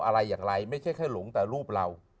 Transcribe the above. อะไรอย่างไรไม่ใช่แค่หลงแต่รูปเรา